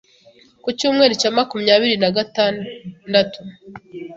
ku cyumweru cya makumyabiri na gatandatu